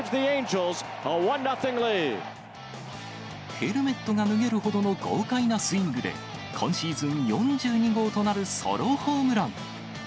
ヘルメットが脱げるほどの豪快なスイングで、今シーズン４２号となるソロホームラン。